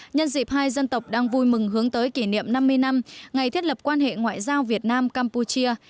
nhân dịp hai dân tộc đang vui mừng hướng tới kỷ niệm năm mươi năm ngày thiết lập quan hệ ngoại giao việt nam campuchia